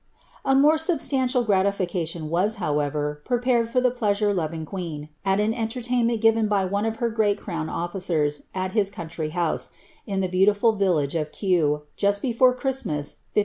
* A more substantial gratification was, however, prepared for the plea sare loving queen, at an entertainment given by one of her great crown officers, at his country house, in the beautiful village of Kew, just before Christmas, 1595.